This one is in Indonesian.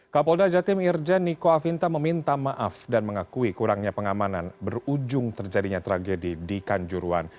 kapolda jatim irjen niko afinta meminta maaf dan mengakui kurangnya pengamanan berujung terjadinya tragedi di kanjuruan